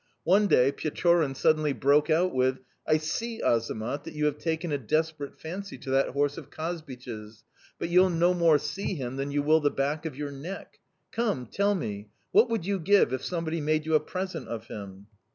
One day Pechorin suddenly broke out with: "'I see, Azamat, that you have taken a desperate fancy to that horse of Kazbich's, but you'll no more see him than you will the back of your neck! Come, tell me, what would you give if somebody made you a present of him?